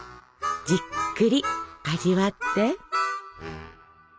じっくり味わって。